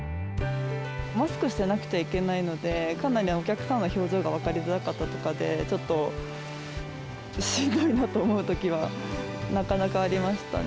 マスクしてなくちゃいけないので、かなりお客さんの表情が分かりづらかったとかで、ちょっとしんどいなと思うときは、なかなかありましたね。